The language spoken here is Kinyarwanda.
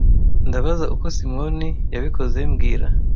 Ndabaza uko Simoni yabikoze mbwira